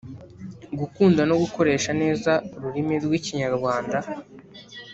gukunda no gukoresha neza ururimi rw’ikinyarwanda.”